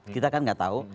kita kan gak tahu